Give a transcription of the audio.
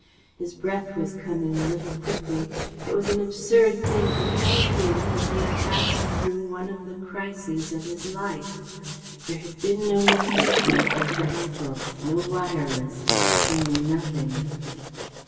His breath was coming a little quickly. It was an absurd thing but he had a feeling that he had passed through one of the crises of his life. There had been no message then from her uncle no wireless. She knew nothing.